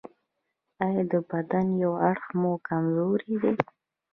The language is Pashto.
ایا د بدن یو اړخ مو کمزوری دی؟